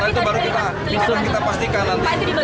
itu baru kita pastikan nanti